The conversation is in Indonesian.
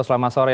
selamat sore ya